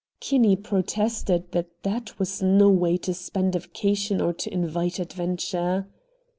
Kinney protested that that was no way to spend a vacation or to invite adventure.